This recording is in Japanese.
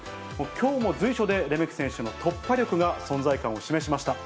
きょうも随所でレメキ選手の突破力が存在感を示しました。